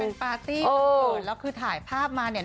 เป็นปาร์ตี้วันเกิดแล้วคือถ่ายภาพมาเนี่ย